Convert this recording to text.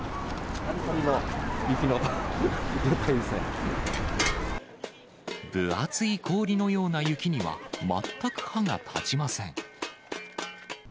分厚い氷のような雪には、全く歯が立ちません。